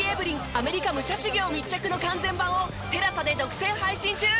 アメリカ武者修行密着の完全版をＴＥＬＡＳＡで独占配信中！